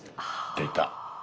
出た。